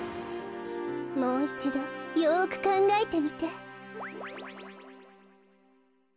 もういちどよくかんがえてみて。